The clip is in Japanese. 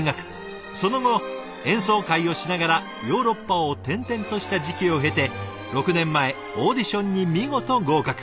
その後演奏会をしながらヨーロッパを転々とした時期を経て６年前オーディションに見事合格。